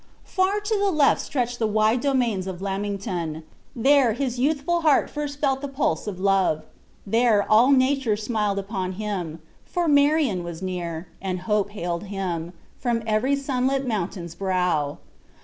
Far to the left stretched the wide domains of Lammington: there his youthful heart first knew the pulse of love: there all nature smiled upon him, for Marion was near, and hope hailed him, from every sunlit mountain's brow.